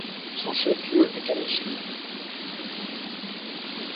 Son chef-lieu est Qamichli.